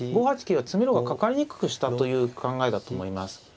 ５八桂は詰めろがかかりにくくしたという考えだと思います。